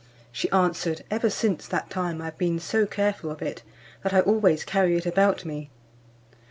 She answered, "Ever since that time I have been so careful of it, that I always carry it about me."